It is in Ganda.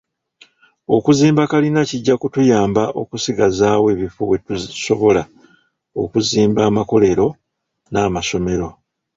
Okuzimba kalina kijja kutuyamba okusigazaawo ebifo we tusobola okuzimba amakolero n’amasomero.